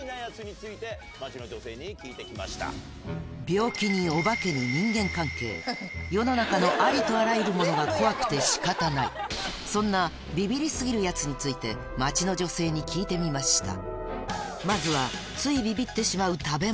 病気にお化けに人間関係世の中のありとあらゆるものが怖くて仕方ないそんなビビリ過ぎるヤツについて街の女性に聞いてみました